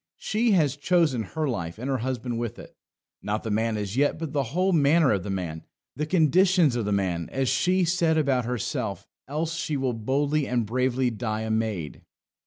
She has chosen her life, and her husband with it. Not the man as yet, but the whole manner of the man. The conditions of the man, as she said about herself; else she will boldly and bravely die a maid.